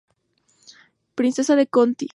Princesa de Conti.